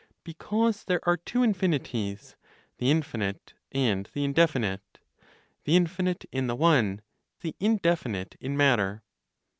Because there are two infinities (the infinite and the indefinite; the infinite in the One, the indefinite in matter).